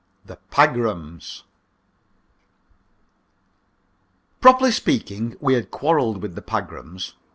THE PAGRAMS Properly speaking, we had quarrelled with the Pagrams.